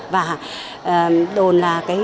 và đồn là